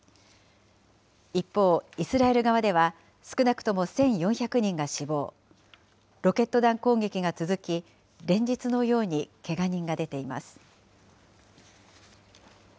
一方、イスラエル側では少なくとも１４００人が死亡、ロケット弾攻撃が続き、連日のようにけが人が出ています。